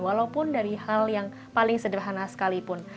walaupun dari hal yang paling sederhana sekalipun